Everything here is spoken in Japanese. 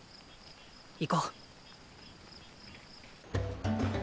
行こう。